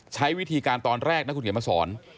ใช้วิธีการตอนแรกนะคุณเขียนมาสอน